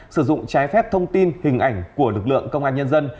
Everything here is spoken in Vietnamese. sử dụng trái phép thông tin hình ảnh của lực lượng công an nhân dân